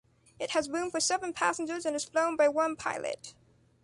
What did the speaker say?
It has room for seven passengers and is flown by one pilot.